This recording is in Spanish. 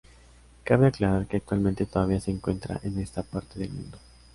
Cabe aclarar que actualmente todavía se encuentran en esta parte del mundo.